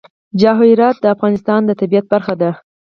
جواهرات د افغانستان د طبیعت برخه ده.